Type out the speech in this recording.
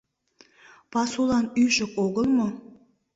Пасулан ӱшык огыл мо?..